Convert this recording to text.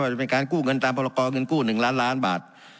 จะเป็นการกู้เงินตามพรกรเงินกู้๑ล้านล้านบาท